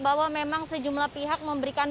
bahwa memang sejumlah pihak memberikan